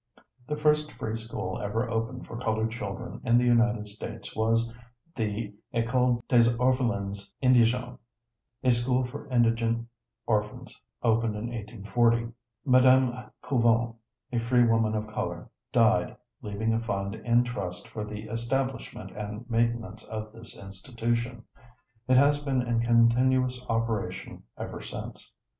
The first free school ever opened for colored children in the United States was the "Ecole Des Orphelins Indigents," a School for Indigent Orphans opened in 1840. Mme. Couvent, a free woman of color, died, leaving a fund in trust for the establishment and maintenance of this institution. It has been in continuous operation ever since.